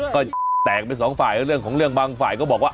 ก็แตกเป็นสองฝ่ายเรื่องของเรื่องบางฝ่ายก็บอกว่า